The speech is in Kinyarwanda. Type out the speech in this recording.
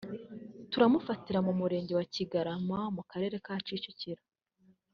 tumufatira mu Murenge wa Kigarama mu Karere ka Kicukiro